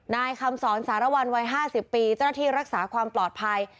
นายคำสอนสารวัลวัย๕๐ปีเจ้าหน้าที่รักษาความปลอดภัย